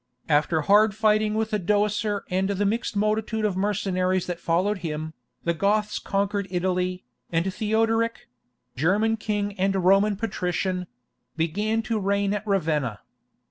After hard fighting with Odoacer and the mixed multitude of mercenaries that followed him, the Goths conquered Italy, and Theodoric—German king and Roman patrician—began to reign at Ravenna.